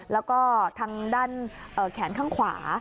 แล้วก็ทางด้านแขนข้างขวา